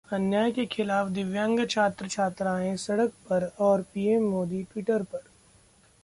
अन्याय के खिलाफ दिव्यांग छात्र-छात्राएं सड़क पर और पीएम मोदी ट्विटर पर!